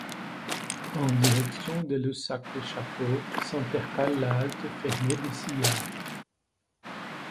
En direction de Lussac-les-Châteaux, s'intercale la halte fermée de Sillars.